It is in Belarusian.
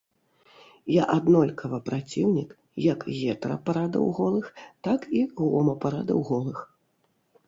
Я аднолькава праціўнік як гетэрапарадаў голых, так і гомапарадаў голых.